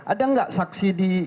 ada gak saksi di